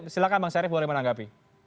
silahkan bang syarif boleh menanggapi